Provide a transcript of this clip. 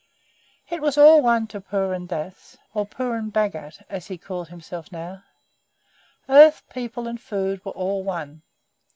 It was all one to Purun Dass or Purun Bhagat, as he called himself now. Earth, people, and food were all one.